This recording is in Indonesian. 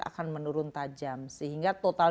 akan menurun tajam sehingga total